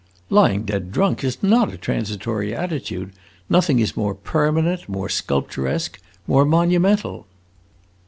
"Lying dead drunk is not a transitory attitude! Nothing is more permanent, more sculpturesque, more monumental!"